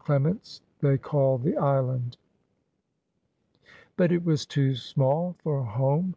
Cle ment's they called the island. But it was too small for a home.